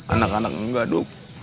anak anak enggak duk